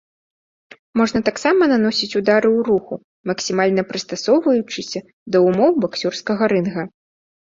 Можна таксама наносіць ўдары ў руху, максімальна прыстасоўваючыся да ўмоў баксёрскага рынга.